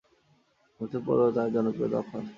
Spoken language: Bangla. মৃত্যুর পরও তার জনপ্রিয়তা অক্ষুণ্ণ থাকে।